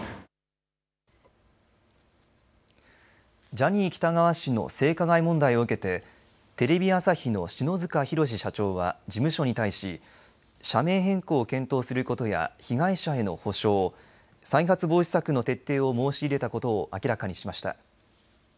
ジャニー喜多川氏の性加害問題を受けてテレビ朝日の篠塚浩社長は事務所に対し社名変更を検討することや被害者への補償再発防止策の徹底を申し入れたことを明らかにしました。